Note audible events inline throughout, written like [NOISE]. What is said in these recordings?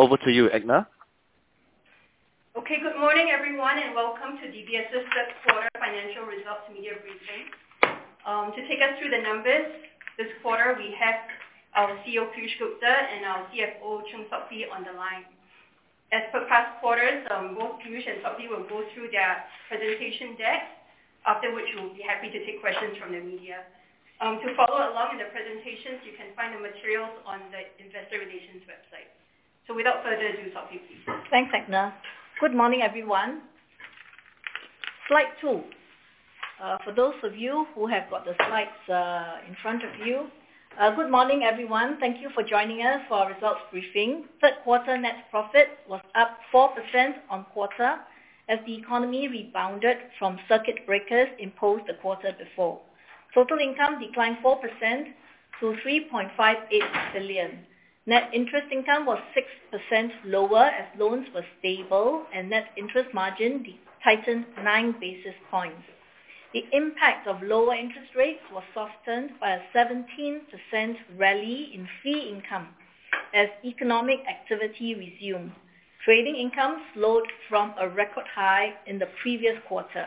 Over to you, Edna. Okay. Good morning, everyone, and welcome to DBS's third quarter financial results media briefing. To take us through the numbers this quarter, we have our CEO, Piyush Gupta, and our CFO, Chng Sok Hui, on the line. As per past quarters, both Piyush and Sok Hui will go through their presentation deck. After which, we'll be happy to take questions from the media. To follow along in the presentations, you can find the materials on the investor relations website. Without further ado, Sok Hui, please. Thanks, Edna. Good morning, everyone. Slide two. For those of you who have got the slides in front of you. Good morning, everyone. Thank you for joining us for our results briefing. Third quarter net profit was up 4% on quarter as the economy rebounded from circuit breakers imposed in the quarter before. Total income declined 4% to 3.58 billion. Net interest income was 6% lower as loans were stable and net interest margin tightened 9 basis points. The impact of lower interest rates was softened by a 17% rally in fee income as economic activity resumed. Trading income slowed from a record high in the previous quarter.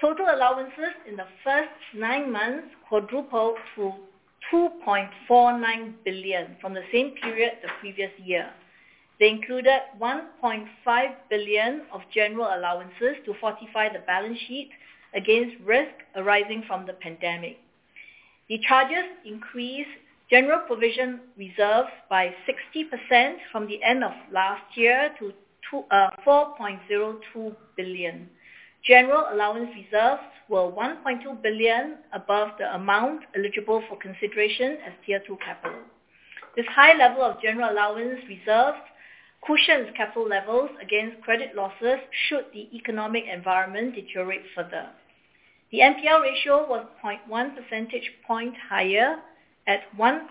Total allowances in the first nine months quadrupled to 2.49 billion from the same period the previous year. They included 1.5 billion of general allowances to fortify the balance sheet against risk arising from the pandemic. The charges increased general provision reserves by 60% from the end of last year to 4.02 billion. General allowance reserves were 1.2 billion above the amount eligible for consideration as Tier 2 capital. This high level of general allowance reserves cushions capital levels against credit losses should the economic environment deteriorate further. The NPL ratio was 0.1 percentage point higher at 1.6%,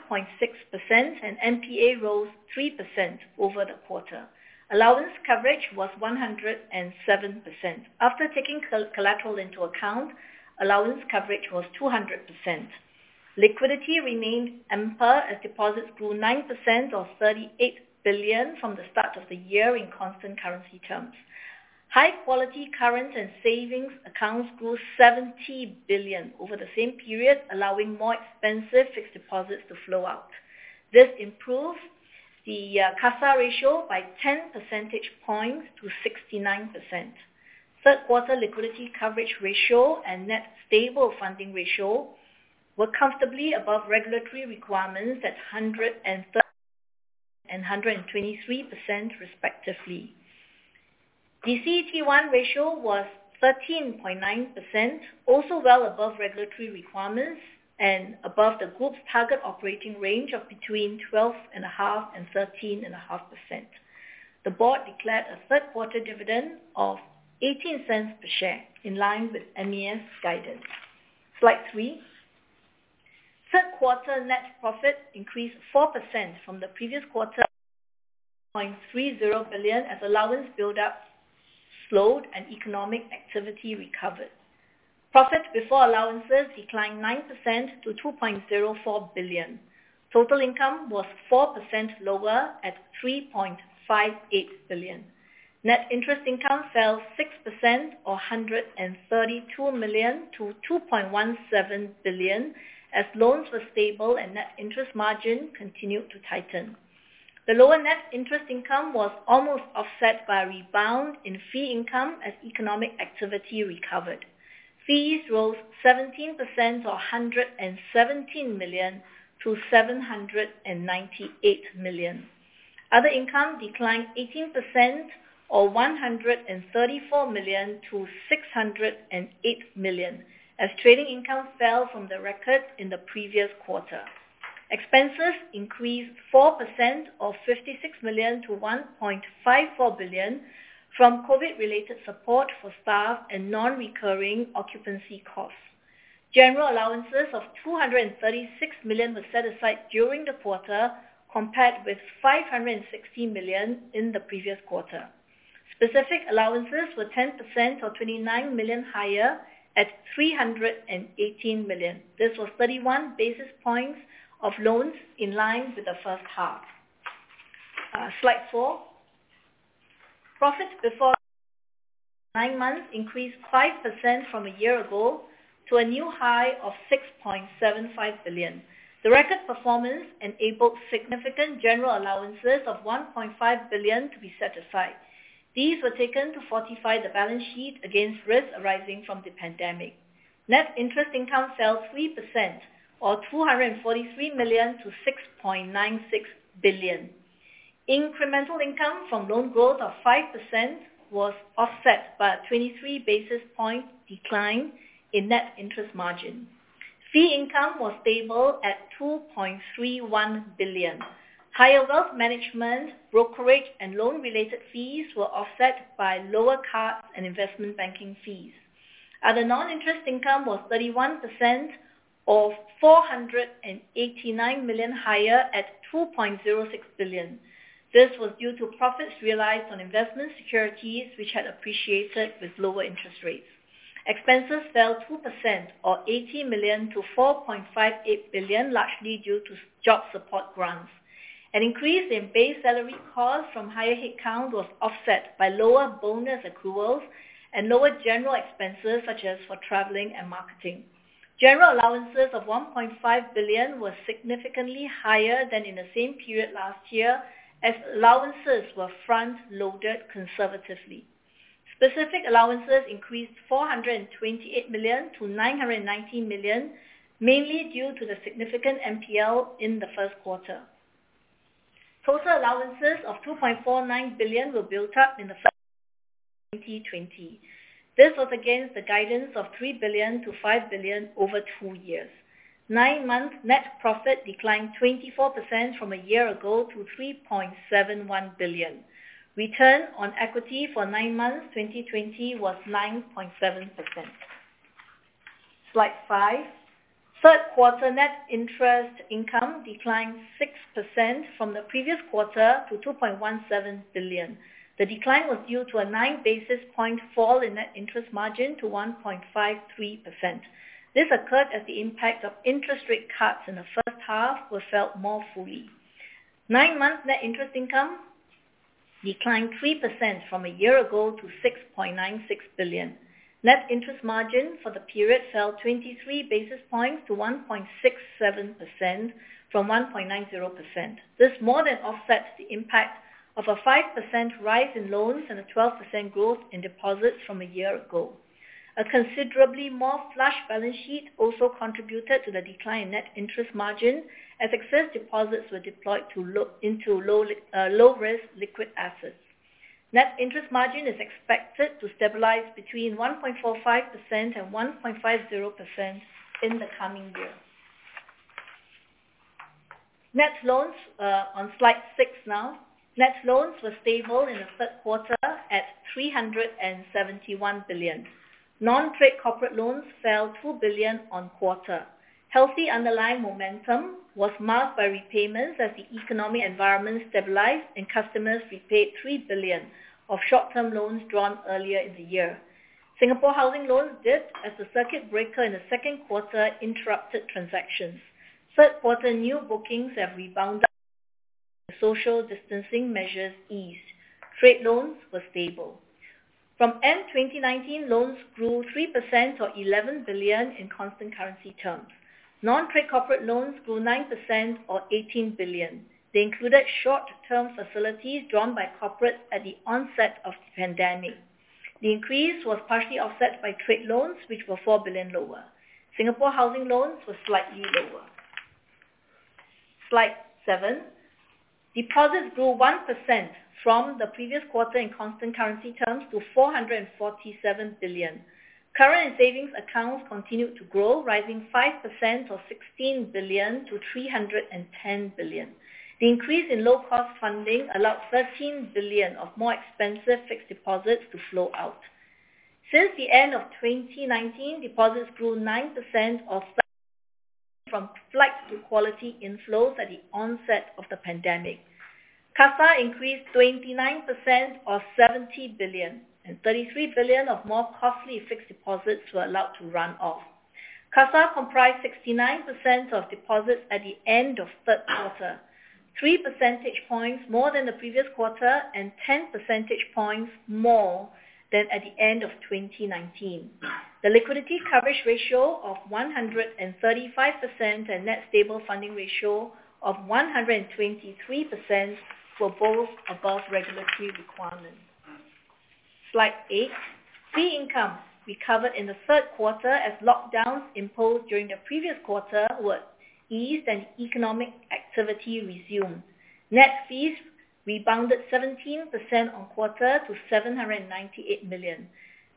and NPA rose 3% over the quarter. Allowance coverage was 107%. After taking collateral into account, allowance coverage was 200%. Liquidity remained ample as deposits grew 9% or 38 billion from the start of the year in constant currency terms. High quality current and savings accounts grew 70 billion over the same period, allowing more expensive fixed deposits to flow out. This improved the CASA ratio by 10 percentage points to 69%. Third quarter liquidity coverage ratio and net stable funding ratio were comfortably above regulatory requirements at 130% and 123% respectively. The CET1 ratio was 13.9%, also well above regulatory requirements and above the group's target operating range of between 12.5% and 13.5%. The board declared a third quarter dividend of 0.18 per share, in line with MAS guidance. Slide three. Third quarter net profit increased 4% from the previous quarter to SGD. [AUDIO DISTORTION] 30 billion as allowance buildup slowed and economic activity recovered. Profit before allowances declined 9% to 2.04 billion. Total income was 4% lower at 3.58 billion. Net interest income fell 6% or 132 million-2.17 billion as loans were stable and net interest margin continued to tighten. The lower net interest income was almost offset by a rebound in fee income as economic activity recovered. Fees rose 17% or SGD 117 million-SGD 798 million. Other income declined 18% or SGD 134 million to SGD 608 million as trading income fell from the record in the previous quarter. Expenses increased 4% or 56 million to 1.54 billion from COVID related support for staff and non-recurring occupancy costs. General allowances of SGD 236 million were set aside during the quarter, compared with SGD 560 million in the previous quarter. Specific allowances were 10% or SGD 29 million higher at SGD 318 million. This was 31 basis points of loans in line with the first half. Slide four. Profit before tax for nine months increased 5% from a year ago to a new high of 6.75 billion. The record performance enabled significant general allowances of 1.5 billion to be set aside. These were taken to fortify the balance sheet against risks arising from the pandemic. Net interest income fell 3% or 243 million-6.96 billion. Incremental income from loan growth of 5% was offset by a 23 basis point decline in net interest margin. Fee income was stable at 2.31 billion. Higher Wealth Management, brokerage and loan-related fees were offset by lower card and Investment Banking fees. Other non-interest income was 31% or 489 million higher at 2.06 billion. This was due to profits realized on investment securities which had appreciated with lower interest rates. Expenses fell 2% or 80 million-4.58 billion, largely due to job support grants. An increase in base salary costs from higher headcount was offset by lower bonus accruals and lower general expenses, such as for traveling and marketing. General allowances of 1.5 billion was significantly higher than in the same period last year as allowances were front-loaded conservatively. Specific allowances increased 428 million-990 million, mainly due to the significant NPL in the first quarter. Total allowances of 2.49 billion were built up in the first 2020. This was against the guidance of 3 billion-5 billion over two years. nine month net profit declined 24% from a year ago to SGD 3.71 billion. Return on equity for nine months 2020 was 9.7%. Slide five. Third quarter net interest income declined 6% from the previous quarter to 2.17 billion. The decline was due to a 9 basis point fall in net interest margin to 1.53%. This occurred as the impact of interest rate cuts in the first half were felt more fully. nine months net interest income declined 3% from a year ago to 6.96 billion. Net interest margin for the period fell 23 basis points to 1.67% from 1.90%. This more than offsets the impact of a 5% rise in loans and a 12% growth in deposits from a year ago. A considerably more flush balance sheet also contributed to the decline in net interest margin as excess deposits were deployed into low risk liquid assets. Net interest margin is expected to stabilize between 1.45% and 1.50% in the coming year. Net loans on slide six now. Net loans were stable in the third quarter at 371 billion. Non-trade corporate loans fell 2 billion on quarter. Healthy underlying momentum was marked by repayments as the economic environment stabilized and customers repaid 3 billion of short-term loans drawn earlier in the year. Singapore housing loans dipped as the circuit breaker in the second quarter interrupted transactions. Third quarter new bookings have rebounded as the social distancing measures eased. Trade loans were stable. From end 2019, loans grew 3% or SGD 11 billion in constant currency terms. Non-trade corporate loans grew 9% or SGD 18 billion. They included short-term facilities drawn by corporates at the onset of the pandemic. The increase was partially offset by trade loans, which were 4 billion lower. Singapore housing loans were slightly lower. Slide seven, deposits grew 1% from the previous quarter in constant currency terms to SGD 447 billion. Current and savings accounts continued to grow, rising 5% or SGD 16 billion to SGD 310 billion. The increase in low-cost funding allowed SGD 13 billion of more expensive fixed deposits to flow out. Since the end of 2019, deposits grew 9% or from flight to quality inflows at the onset of the pandemic. CASA increased 29% or 70 billion, and 33 billion of more costly fixed deposits were allowed to run off. CASA comprised 69% of deposits at the end of third quarter, three percentage points more than the previous quarter and 10 percentage points more than at the end of 2019. The Liquidity Coverage Ratio of 135% and Net Stable Funding Ratio of 123% were both above regulatory requirements. Slide eight, Fee Income recovered in the third quarter as lockdowns imposed during the previous quarter were eased and economic activity resumed. Net fees rebounded 17% on quarter to SGD 798 million.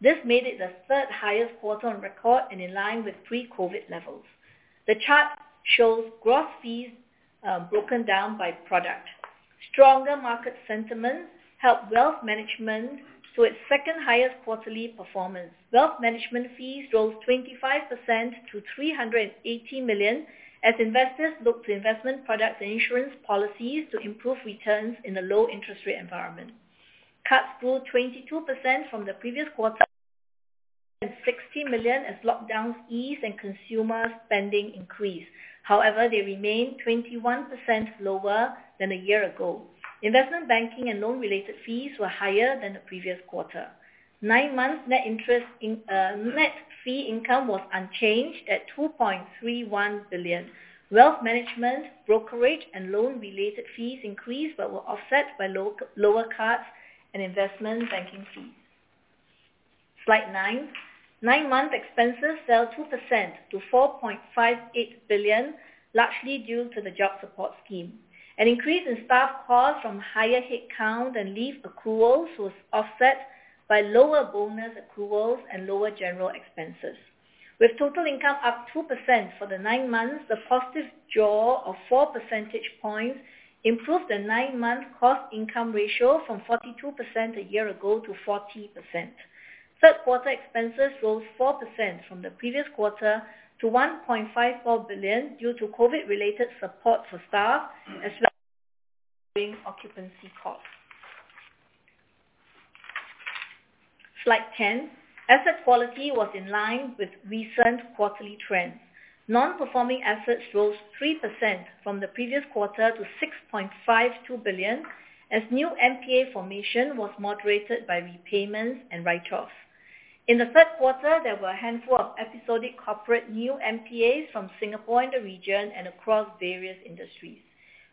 This made it the third highest quarter on record and in line with pre-COVID levels. The chart shows gross fees, broken down by product. Stronger market sentiments helped Wealth Management to its second-highest quarterly performance. Wealth Management fees rose 25% to 380 million as investors looked to investment products and insurance policies to improve returns in a low interest rate environment. Cards grew 22% from the previous quarter, and 60 million as lockdowns ease and consumer spending increased. However, they remain 21% lower than a year ago. Investment banking and loan-related fees were higher than the previous quarter. Nine months net interest income and net fee income was unchanged at SGD 2.31 billion. Wealth Management, brokerage and loan-related fees increased but were offset by lower cards and investment banking fees. Slide nine. Nine-month expenses fell 2% to 4.58 billion, largely due to the Jobs Support Scheme. An increase in staff costs from higher headcount and leave accruals was offset by lower bonus accruals and lower general expenses. With total income up 2% for the nine months, the positive draw of four percentage points improved the nine-month cost-income ratio from 42% a year ago to 40%. Third quarter expenses rose 4% from the previous quarter to 1.54 billion due to COVID-related support for staff as lowering occupancy costs. Slide ten. Asset quality was in line with recent quarterly trends. Non-performing assets rose 3% from the previous quarter to 6.52 billion, as new NPA formation was moderated by repayments and write-offs. In the third quarter, there were a handful of episodic corporate new NPAs from Singapore in the region and across various industries.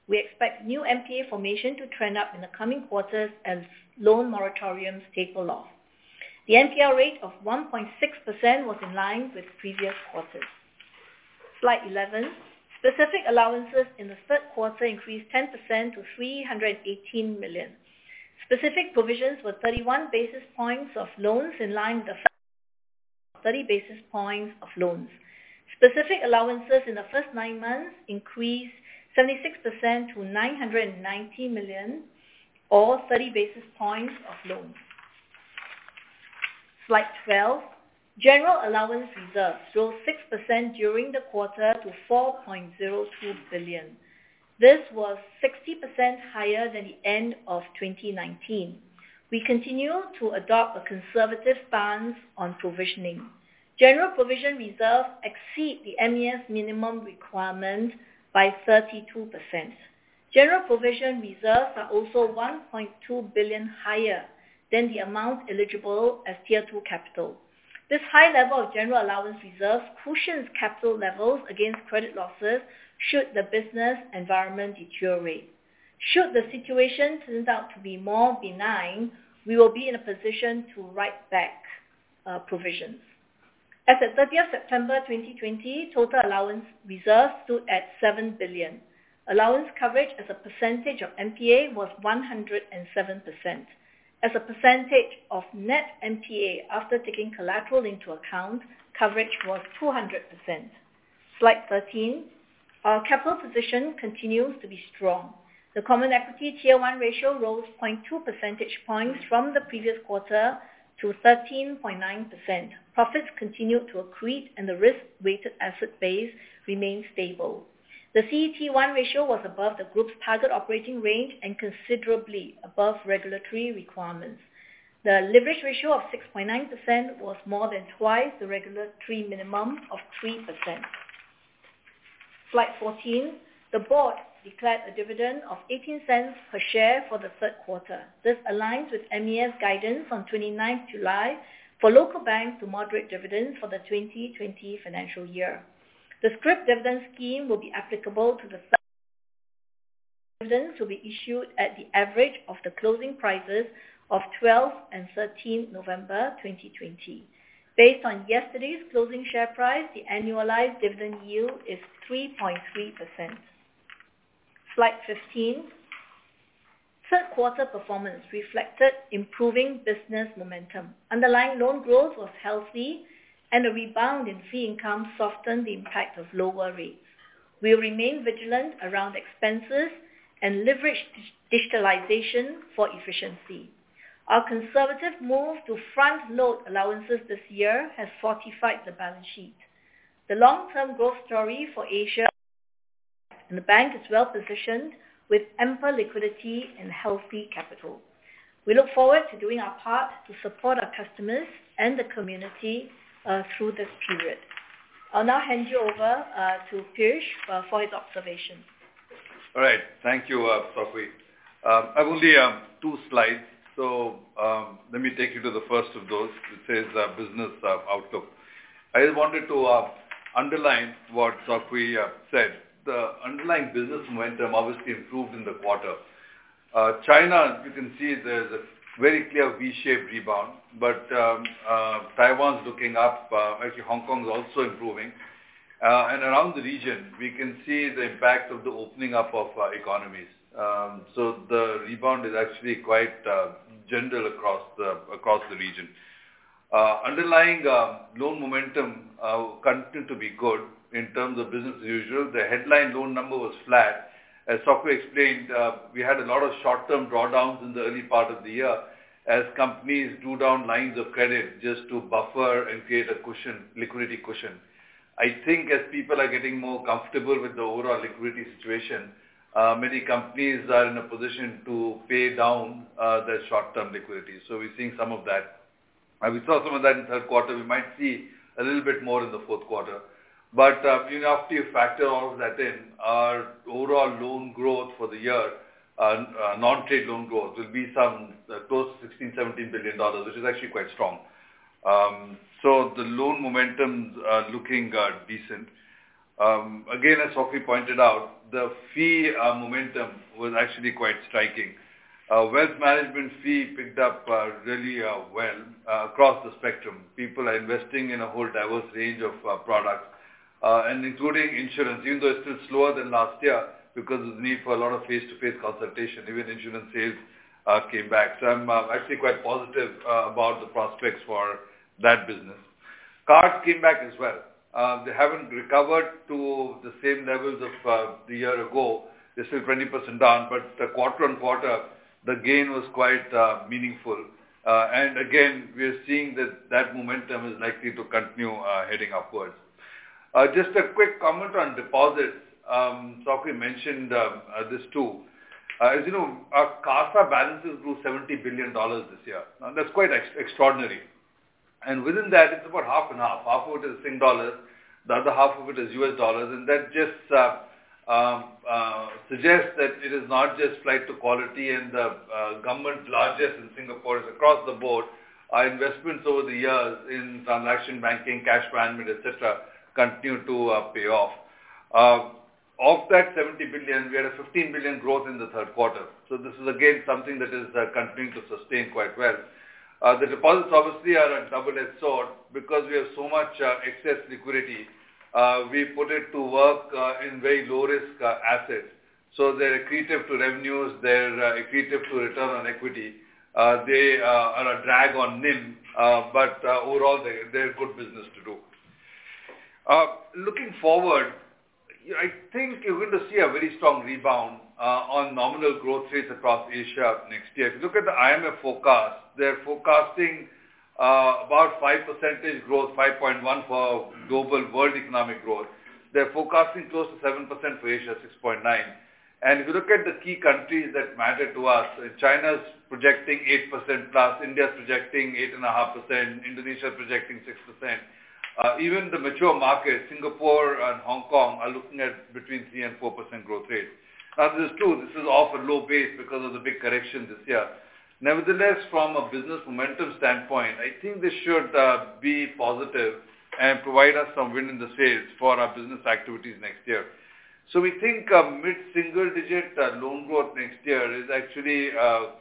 We expect new NPA formation to trend up in the coming quarters as loan moratoriums taper off. The NPL rate of 1.6% was in line with previous quarters. Slide 11. Specific allowances in the third quarter increased 10% to 318 million. Specific provisions were 31 basis points of loans in line with the 30 basis points of loans. Specific provisions in the first nine months increased 76% to 990 million or 30 basis points of loans. Slide 12. General allowance reserves rose 6% during the quarter to 4.02 billion. This was 60% higher than the end of 2019. We continue to adopt a conservative stance on provisioning. General provision reserves exceed the MAS minimum requirement by 32%. General provision reserves are also 1.2 billion higher than the amount eligible as Tier 2 capital. This high level of general allowance reserves cushions capital levels against credit losses should the business environment deteriorate. Should the situation turn out to be more benign, we will be in a position to write back provisions. As at 30th September 2020, total allowance reserves stood at 7 billion. Allowance coverage as a percentage of NPA was 107%. As a percentage of net NPA after taking collateral into account, coverage was 200%. Slide 13. Our capital position continues to be strong. The Common Equity Tier 1 ratio rose 0.2 percentage points from the previous quarter to 13.9%. Profits continued to accrete, and the risk-weighted asset base remained stable. The CET1 ratio was above the group's target operating range and considerably above regulatory requirements. The leverage ratio of 6.9% was more than twice the regulatory minimum of 3%. Slide 14. The board declared a dividend of 0.18 per share for the third quarter. This aligns with MAS guidance on July 29 for local banks to moderate dividends for the 2020 financial year. The scrip dividend scheme will be applicable to the dividends, which will be issued at the average of the closing prices of 12th and 13th November 2020. Based on yesterday's closing share price, the annualized dividend yield is 3.3%. Slide 15. Third quarter performance reflected improving business momentum. Underlying loan growth was healthy, and a rebound in fee income softened the impact of lower rates. We remain vigilant around expenses and leveraged digitalization for efficiency. Our conservative move to front-load allowances this year has fortified the balance sheet. The long-term growth story for Asia, and the bank is well positioned with ample liquidity and healthy capital. We look forward to doing our part to support our customers and the community, through this period. I'll now hand you over to Piyush Gupta for his observations. All right. Thank you, Sok Hui. I've only two slides. Let me take you to the first of those. It says business outlook. I just wanted to underline what Sok Hui said. The underlying business momentum obviously improved in the quarter. China, as you can see, there's a very clear V-shaped rebound. Taiwan's looking up. Actually, Hong Kong is also improving. Around the region, we can see the impact of the opening up of economies. The rebound is actually quite general across the region. Underlying loan momentum continued to be good in terms of business as usual. The headline loan number was flat. As Sok Hui explained, we had a lot of short-term drawdowns in the early part of the year as companies drew down lines of credit just to buffer and create a cushion, liquidity cushion. I think as people are getting more comfortable with the overall liquidity situation, many companies are in a position to pay down their short-term liquidity. We're seeing some of that. We saw some of that in the third quarter. We might see a little bit more in the fourth quarter. You know, after you factor all of that in, our overall loan growth for the year, non-trade loan growth will be some close to 16 billion-17 billion dollars, which is actually quite strong. The loan momentum's looking decent. Again, as Sok Hui pointed out, the fee momentum was actually quite striking. Wealth Management fee picked up really well across the spectrum. People are investing in a whole diverse range of products, including insurance, even though it's still slower than last year because there's need for a lot of face-to-face consultation. Even insurance sales came back. I'm actually quite positive about the prospects for that business. Cards came back as well. They haven't recovered to the same levels of the year ago. They're still 20% down, but quarter-on-quarter, the gain was quite meaningful. Again, we're seeing that momentum is likely to continue heading upwards. Just a quick comment on deposits. Sok Hui mentioned this too. As you know, our CASA balances grew 70 billion dollars this year. Now, that's quite extraordinary. Within that, it's about half and half. Half of it is Sing dollar, the other half of it is U.S. dollars, and that just suggests that it is not just flight to quality and government largesse in Singapore is across the board. Our investments over the years in transaction banking, cash management, et cetera, continue to pay off. Off that 70 billion, we had a 15 billion growth in the third quarter. This is again something that is continuing to sustain quite well. The deposits obviously are a double-edged sword because we have so much excess liquidity. We put it to work in very low-risk assets. They're accretive to revenues, they're accretive to return on equity. They are a drag on NIM, but overall they're good business to do. Looking forward, I think you're going to see a very strong rebound on nominal growth rates across Asia next year. If you look at the IMF forecast, they're forecasting about 5% growth, 5.1% for global world economic growth. They're forecasting close to 7% for Asia, 6.9%. If you look at the key countries that matter to us, China's projecting 8%+, India's projecting 8.5%, Indonesia projecting 6%. Even the mature markets, Singapore and Hong Kong, are looking at between 3%-4% growth rate. Now, this is true, this is off a low base because of the big correction this year. Nevertheless, from a business momentum standpoint, I think this should be positive and provide us some wind in the sails for our business activities next year. We think a mid-single digit loan growth next year is actually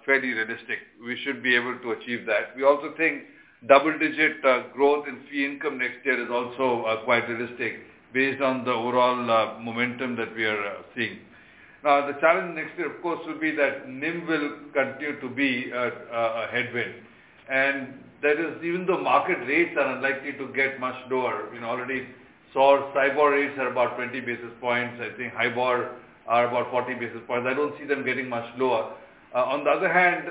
fairly realistic. We should be able to achieve that. We also think double-digit growth in fee income next year is also quite realistic based on the overall momentum that we are seeing. Now, the challenge next year of course will be that NIM will continue to be a headwind, and that is even though market rates are unlikely to get much lower, we already saw SIBOR rates are about 20 basis points. I think HIBOR are about 40 basis points. I don't see them getting much lower. On the other hand,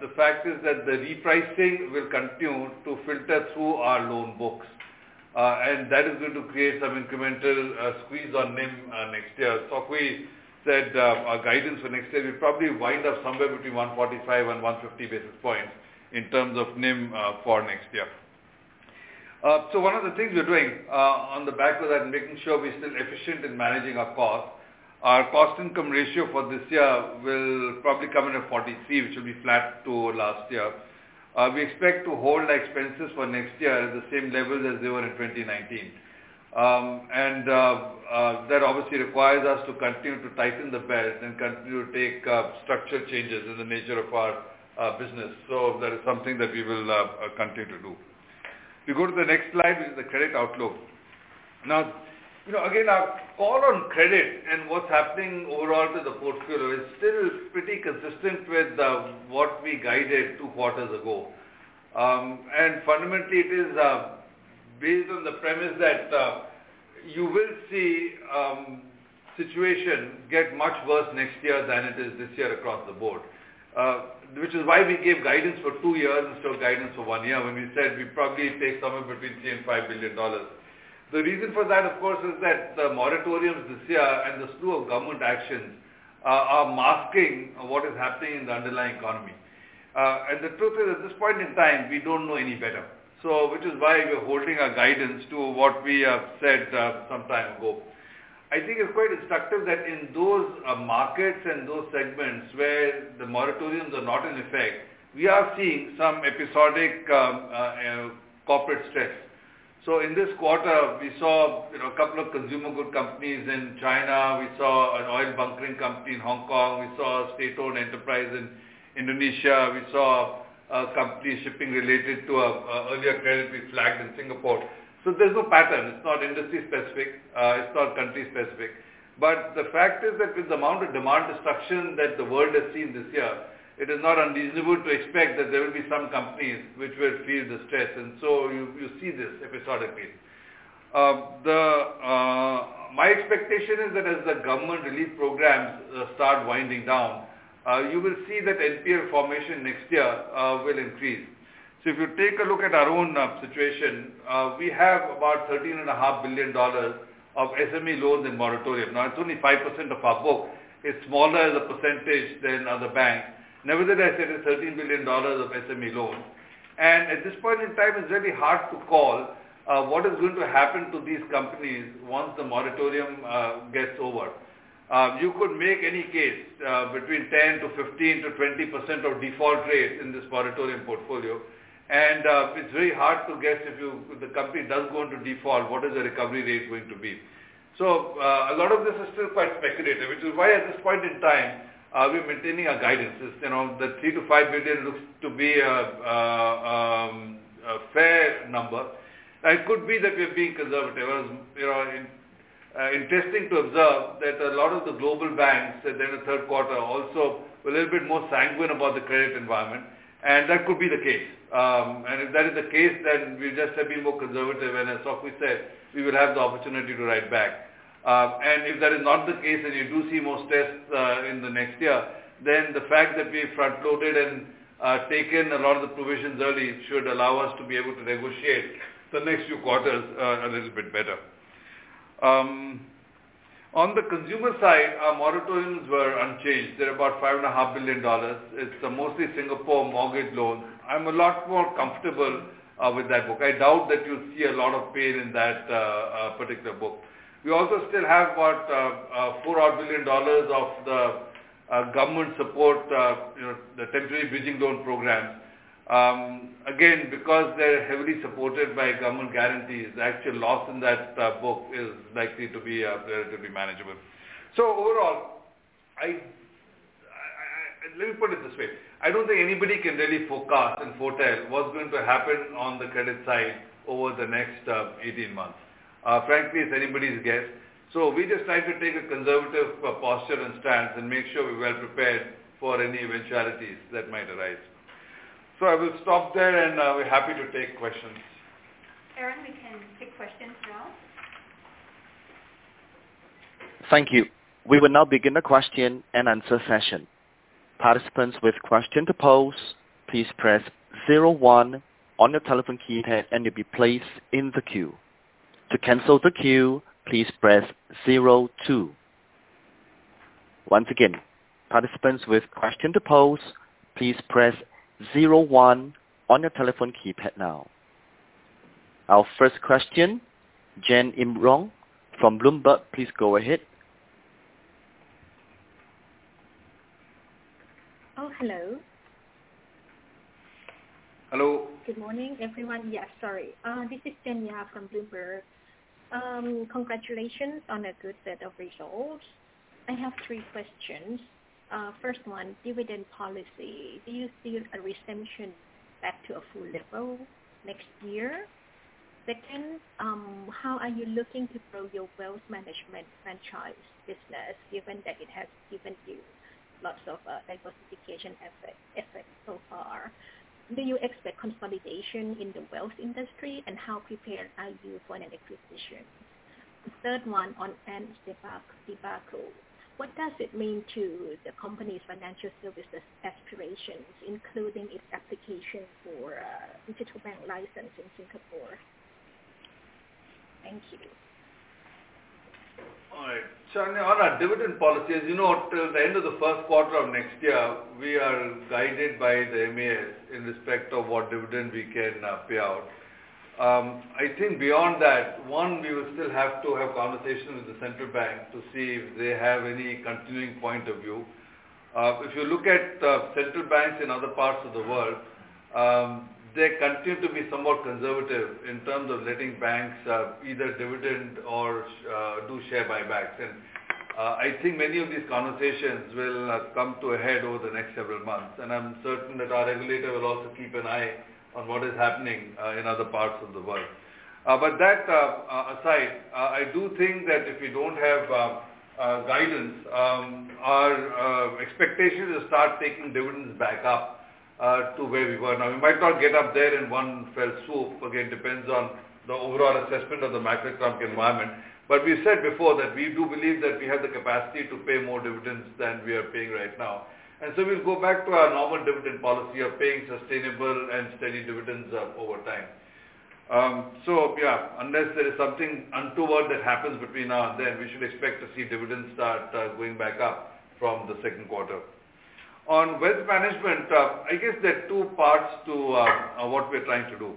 the fact is that the repricing will continue to filter through our loan books, and that is going to create some incremental squeeze on NIM next year. Chng Sok Hui said, our guidance for next year will probably wind up somewhere between 145 and 150 basis points in terms of NIM for next year. One of the things we're doing on the back of that and making sure we're still efficient in managing our cost-income ratio for this year will probably come in at 43%, which will be flat to last year. We expect to hold our expenses for next year at the same level as they were in 2019. That obviously requires us to continue to tighten the belt and continue to take structural changes in the nature of our business. That is something that we will continue to do. If you go to the next slide, this is the credit outlook. Now, you know, again, our call on credit and what's happening overall to the portfolio is still pretty consistent with what we guided two quarters ago. Fundamentally it is based on the premise that you will see situation get much worse next year than it is this year across the board, which is why we gave guidance for two years instead of guidance for one year when we said we'd probably take somewhere between 3 billion and 5 billion dollars. The reason for that, of course, is that the moratoriums this year and the slew of government actions are masking what is happening in the underlying economy. The truth is, at this point in time, we don't know any better, so which is why we're holding our guidance to what we have said some time ago. I think it's quite instructive that in those markets and those segments where the moratoriums are not in effect, we are seeing some episodic corporate stress. In this quarter, we saw, you know, a couple of consumer goods companies in China. We saw an oil bunkering company in Hong Kong. We saw a state-owned enterprise in Indonesia. We saw a company shipping related to an earlier credit we flagged in Singapore. There's no pattern. It's not industry specific. It's not country specific. The fact is that with the amount of demand destruction that the world has seen this year, it is not unreasonable to expect that there will be some companies which will feel the stress. You see this episodically. My expectation is that as the government relief programs start winding down, you will see that NPA formation next year will increase. If you take a look at our own situation, we have about 13.5 billion dollars of SME loans in moratorium. Now it's only 5% of our book. It's smaller as a percentage than other banks. Nevertheless, it is 13 billion dollars of SME loans. At this point in time, it's very hard to call what is going to happen to these companies once the moratorium gets over. You could make any case between 10% to 15% to 20% of default rates in this moratorium portfolio. It's very hard to guess if the company does go into default, what is the recovery rate going to be. A lot of this is still quite speculative, which is why at this point in time, we're maintaining our guidance. It's, you know, the 3 billion-5 billion looks to be a fair number. It could be that we're being conservative. You know, it's interesting to observe that a lot of the global banks said in the third quarter also a little bit more sanguine about the credit environment, and that could be the case. If that is the case, we're just a bit more conservative. As Sok Hui said, we will have the opportunity to write back. If that is not the case and you do see more stress in the next year, then the fact that we've front-loaded and taken a lot of the provisions early should allow us to be able to negotiate the next few quarters a little bit better. On the consumer side, our moratoriums were unchanged. They're about 5.5 billion dollars. It's mostly Singapore mortgage loans. I'm a lot more comfortable with that book. I doubt that you'll see a lot of pain in that particular book. We also still have about 4 billion dollars of the government support, you know, the Temporary Bridging Loan program. Again, because they're heavily supported by government guarantees, the actual loss in that book is likely to be relatively manageable. Overall, let me put it this way, I don't think anybody can really forecast and foretell what's going to happen on the credit side over the next 18 months. Frankly, it's anybody's guess. We just try to take a conservative posture and stance and make sure we're well prepared for any eventualities that might arise. I will stop there, and we're happy to take questions. Aaron, we can take questions now. Thank you. We will now begin the question-and-answer session. Participants with question to pose, please press zero one on your telephone keypad and you'll be placed in the queue. To cancel the queue, please press zero two. Once again, participants with question to pose, please press zero one on your telephone keypad now. Our first question, Chanyaporn Chanjaroen from Bloomberg, please go ahead. Oh, hello. Hello. Good morning, everyone. Yes, sorry. This is Chanyaporn Chanjaroen from Bloomberg. Congratulations on a good set of results. I have three questions. First one, dividend policy. Do you see a resumption back to a full level next year? Second, how are you looking to grow your wealth management franchise business given that it has given you lots of diversification effect so far? Do you expect consolidation in the wealth industry, and how prepared are you for an acquisition? The third one on Ant's debacle. What does it mean to the company's financial services aspirations, including its application for a digital bank license in Singapore? Thank you. All right. On our dividend policy, as you know, till the end of the first quarter of next year, we are guided by the MAS in respect of what dividend we can pay out. I think beyond that, one, we will still have to have conversations with the central bank to see if they have any continuing point of view. If you look at central banks in other parts of the world, they continue to be somewhat conservative in terms of letting banks either dividend or do share buybacks. I think many of these conversations will come to a head over the next several months, and I'm certain that our regulator will also keep an eye on what is happening in other parts of the world. That aside, I do think that if we don't have guidance, our expectations will start taking dividends back up to where we were. Now, we might not get up there in one fell swoop. Again, it depends on the overall assessment of the macroeconomic environment. We said before that we do believe that we have the capacity to pay more dividends than we are paying right now. We'll go back to our normal dividend policy of paying sustainable and steady dividends over time. Unless there is something untoward that happens between now and then, we should expect to see dividends start going back up from the second quarter. On Wealth Management, I guess there are two parts to what we're trying to do.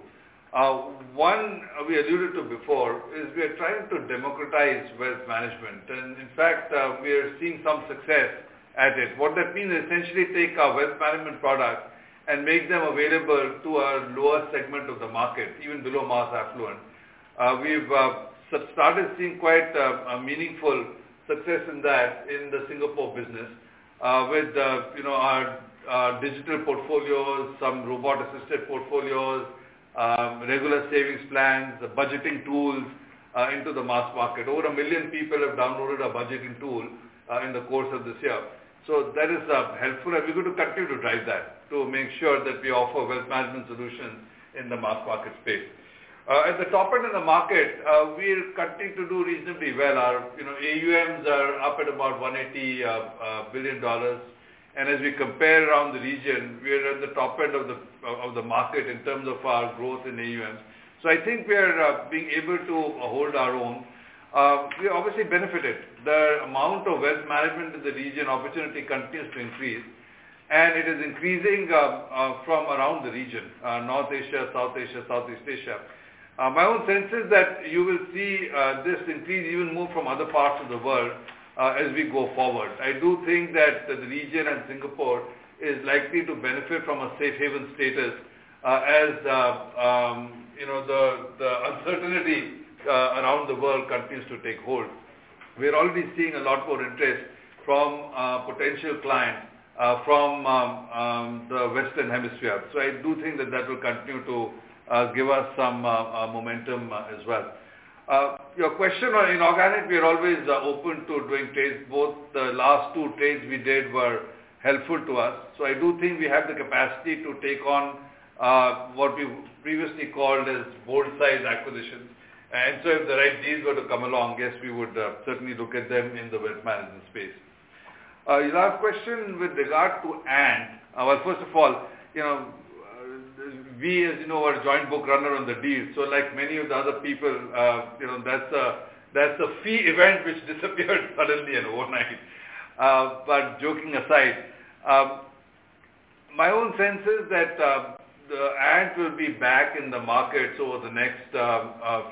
One, we alluded to before, is we are trying to democratize wealth management. In fact, we are seeing some success at it. What that means is essentially take our wealth management products and make them available to a lower segment of the market, even below mass affluent. We've started seeing quite meaningful success in that in the Singapore business, with you know, our digital portfolios, some robot-assisted portfolios, regular savings plans, budgeting tools into the mass market. Over 1 million people have downloaded our budgeting tool in the course of this year. That is helpful, and we're going to continue to drive that to make sure that we offer wealth management solutions in the mass market space. At the top end of the market, we'll continue to do reasonably well. You know, AUMs are up at about $180 billion. As we compare around the region, we are at the top end of the market in terms of our growth in AUMs. I think we are being able to hold our own. We obviously benefited. The amount of wealth management in the region opportunity continues to increase, and it is increasing from around the region, North Asia, South Asia, Southeast Asia. My own sense is that you will see this increase even more from other parts of the world as we go forward. I do think that the region and Singapore is likely to benefit from a safe haven status, you know, the uncertainty around the world continues to take hold. We're already seeing a lot more interest from potential clients from the Western Hemisphere. I do think that will continue to give us some momentum as well. Your question on inorganic, we are always open to doing trades. Both the last two trades we did were helpful to us. I do think we have the capacity to take on what we previously called as bolt-on acquisitions. If the right deals were to come along, yes, we would certainly look at them in the Wealth Management space. Your last question with regard to Ant. Well, first of all, you know, we, as you know, are a joint book runner on the deal. Like many of the other people, you know, that's a fee event which disappeared suddenly and overnight. Joking aside, my own sense is that the Ant will be back in the market over the next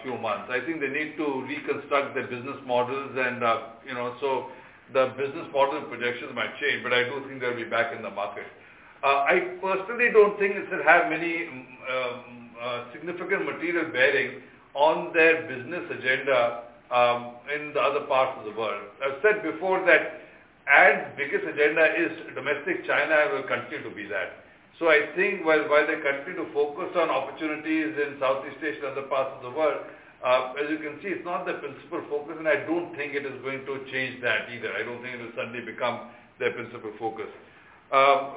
few months. I think they need to reconstruct their business models and you know, so the business model projections might change, but I do think they'll be back in the market. I personally don't think it will have many significant material bearings on their business agenda in the other parts of the world. I've said before that Ant's biggest agenda is domestic China, and will continue to be that. I think while they continue to focus on opportunities in Southeast Asia and other parts of the world, as you can see, it's not their principal focus, and I don't think it is going to change that either. I don't think it'll suddenly become their principal focus.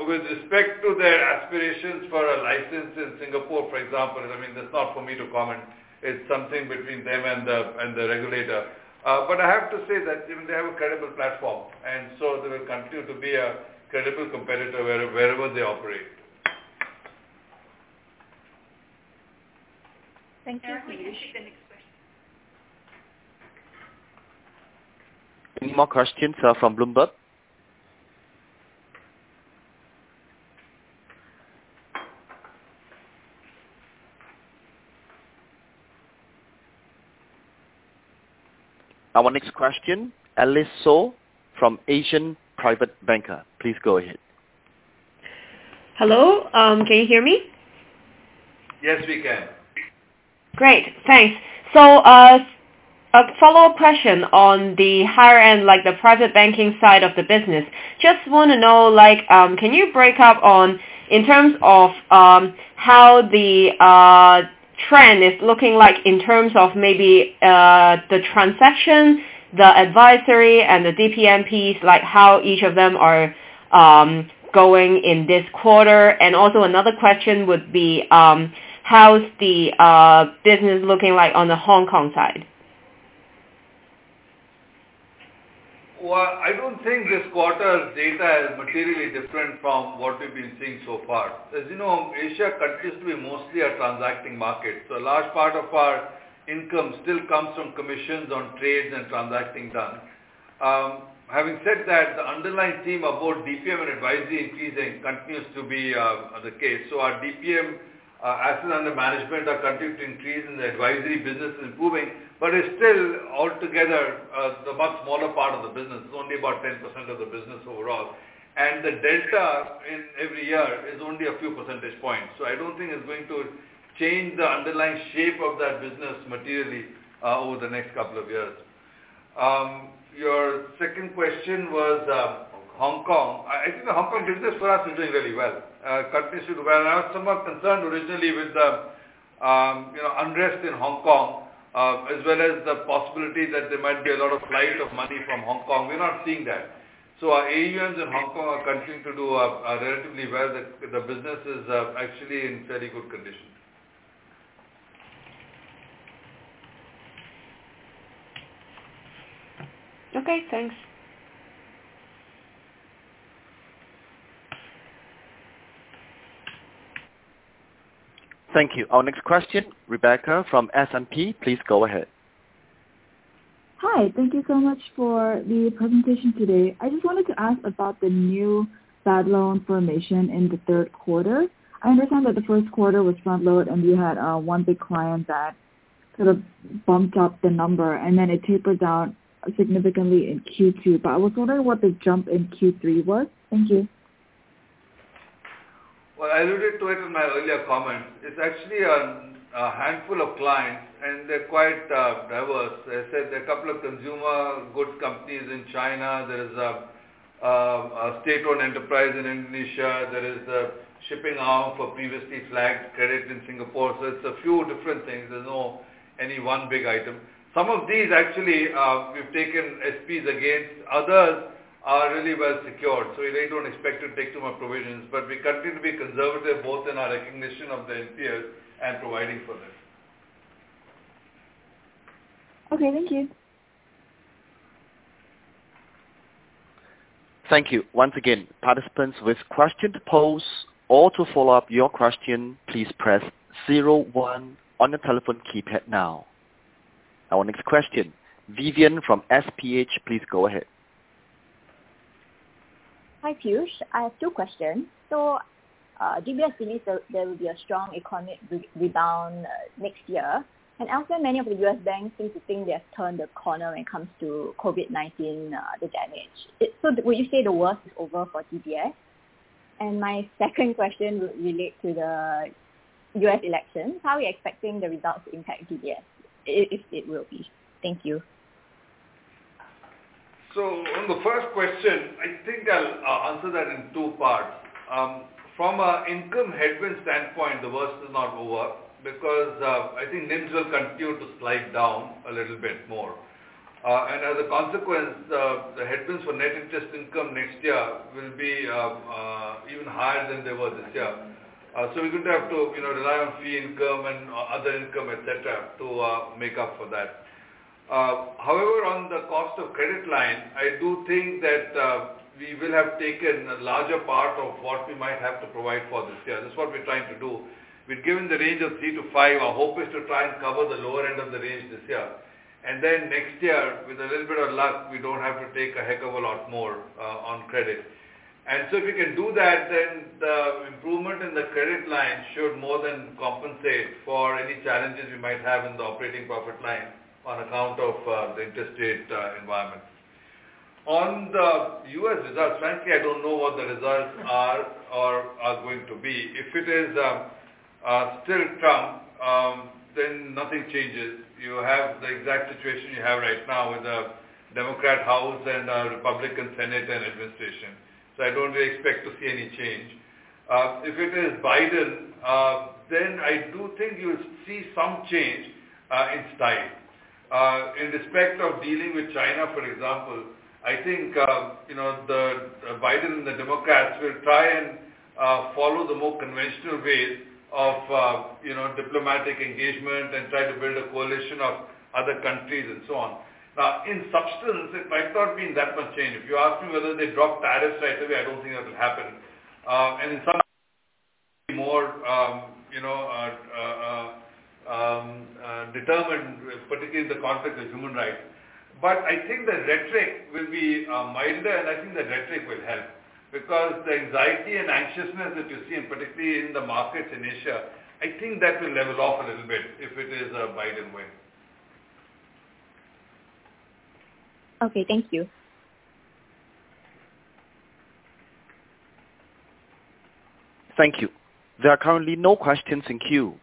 With respect to their aspirations for a license in Singapore, for example, I mean, that's not for me to comment. It's something between them and the regulator. I have to say that, you know, they have a credible platform, and so they will continue to be a credible competitor wherever they operate. Thank you, Piyush. Operator, can you take the next question? Any more questions from Bloomberg? Our next question, Alice So from Asian Private Banker. Please go ahead. Hello, can you hear me? Yes, we can. Great. Thanks. A follow-up question on the higher end, like the private banking side of the business. Just wanna know, like, can you break down in terms of how the trend is looking like in terms of maybe the transactions, the advisory and the DPM piece, like how each of them are going in this quarter? Another question would be, how's the business looking like on the Hong Kong side? Well, I don't think this quarter's data is materially different from what we've been seeing so far. As you know, Asia continues to be mostly a transacting market, so a large part of our income still comes from commissions on trades and transactings done. Having said that, the underlying theme about DPM and advisory increasing continues to be the case. Our DPM assets under management are continuing to increase, and the advisory business is improving, but it's still altogether a much smaller part of the business. It's only about 10% of the business overall. The delta in every year is only a few percentage points, so I don't think it's going to change the underlying shape of that business materially over the next couple of years. Your second question was, Hong Kong. Hong Kong. I think the Hong Kong business for us is doing really well, continues to do well. I was somewhat concerned originally with the, you know, unrest in Hong Kong, as well as the possibility that there might be a lot of flight of money from Hong Kong. We're not seeing that. Our AUMs in Hong Kong are continuing to do relatively well. The business is actually in fairly good condition. Okay, thanks. Thank you. Our next question, Rebecca from S&P. Please go ahead. Hi. Thank you so much for the presentation today. I just wanted to ask about the new bad loan formation in the third quarter. I understand that the first quarter was front-loaded, and you had one big client that sort of bumped up the number, and then it tapered down significantly in Q2. I was wondering what the jump in Q3 was. Thank you. Well, I alluded to it in my earlier comments. It's actually a handful of clients, and they're quite diverse. As I said, there are a couple of consumer goods companies in China. There's a state-owned enterprise in Indonesia. There is a shipping arm for previously flagged credit in Singapore. It's a few different things. There's not any one big item. Some of these actually, we've taken SPs against. Others are really well secured, so we really don't expect to take too much provisions. We continue to be conservative, both in our recognition of the NPLs and providing for them. Okay, thank you. Thank you. Once again, participants with questions to pose or to follow up your question, please press zero one on the telephone keypad now. Our next question, Vivian from SPH. Please go ahead. Hi, Piyush. I have two questions. DBS believes there will be a strong economic rebound next year. Also many of the U.S. banks seem to think they have turned the corner when it comes to COVID-19, the damage. Would you say the worst is over for DBS? My second question would relate to the U.S. elections. How are we expecting the results to impact DBS, if it will be? Thank you. On the first question, I think I'll answer that in two parts. From an income headwind standpoint, the worst is not over because I think NIMs will continue to slide down a little bit more. As a consequence, the headwinds for net interest income next year will be even higher than they were this year. We're gonna have to, you know, rely on fee income and other income, et cetera to make up for that. However, on the cost of credit line, I do think that we will have taken a larger part of what we might have to provide for this year. That's what we're trying to do. We've given the range of three to five. Our hope is to try and cover the lower end of the range this year. Next year, with a little bit of luck, we don't have to take a heck of a lot more on credit. If we can do that, then the improvement in the credit line should more than compensate for any challenges we might have in the operating profit line on account of the interest rate environment. On the U.S. results, frankly, I don't know what the results are or are going to be. If it is still Trump, then nothing changes. You have the exact situation you have right now with a Democratic House and a Republican Senate and administration. I don't really expect to see any change. If it is Biden, then I do think you'll see some change in style. In respect of dealing with China, for example, I think, you know, the Biden and the Democrats will try and follow the more conventional ways of, you know, diplomatic engagement and try to build a coalition of other countries and so on. In substance, it might not mean that much change. If you ask me whether they drop tariffs right away, I don't think that will happen. And somewhat more determined, particularly in the context of human rights. I think the rhetoric will be milder, and I think the rhetoric will help. The anxiety and anxiousness that you see, and particularly in the markets in Asia, I think that will level off a little bit if it is a Biden win. Okay. Thank you. Thank you. There are currently no questions in queue.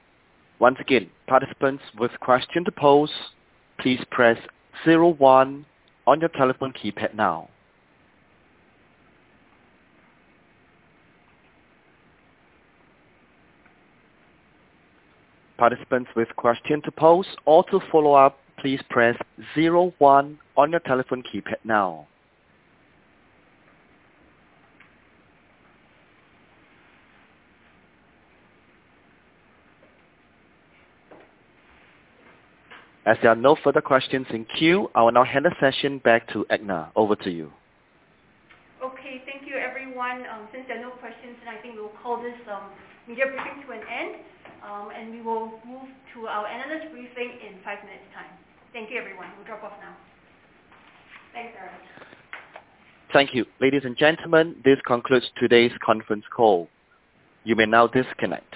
Once again, participants with question to pose, please press zero one on your telephone keypad now. Participants with question to pose or to follow up, please press zero one on your telephone keypad now. As there are no further questions in queue, I will now hand the session back to Edna. Over to you. Okay. Thank you everyone. Since there are no questions, then I think we'll call this media briefing to an end. We will move to our analyst briefing in five minutes time. Thank you, everyone. We'll drop off now. Thanks, Aaron. Thank you. Ladies and gentlemen, this concludes today's conference call. You may now disconnect.